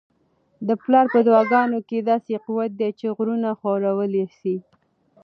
د پلار په دعاګانو کي داسې قوت دی چي غرونه ښورولی سي.